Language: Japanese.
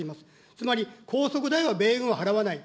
つまり、高速代は米軍払わない。